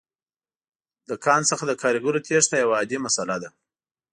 له کان څخه د کارګرو تېښته یوه عادي مسئله ده